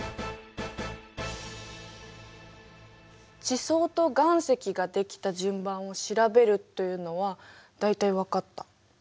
地層と岩石ができた順番を調べるというのは大体わかった。